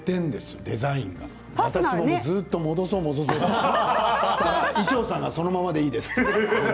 私も、ずっと戻そう戻そうとしたら衣装さんが、そのままでいいですって。